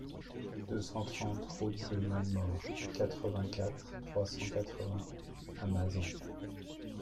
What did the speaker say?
deux cent trente route de Malemort, quatre-vingt-quatre, trois cent quatre-vingts à Mazan